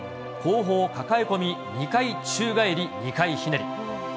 後方抱え込み２回宙返り２回ひねり。